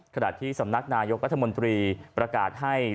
ขณะที่สำนักนายกรัฐมนตรีประกาศให้